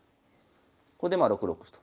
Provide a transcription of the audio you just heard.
ここでまあ６六歩と。